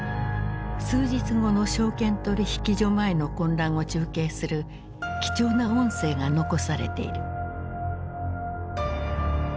数日後の証券取引所前の混乱を中継する貴重な音声が残されている。